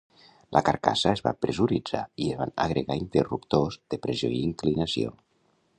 La carcassa es va pressuritzar i es van agregar interruptors de pressió i inclinació.